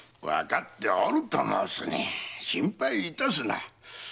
わかっておると申すに心配いたすな。